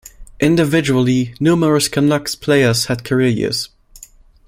Individually, numerous Canucks players had career years.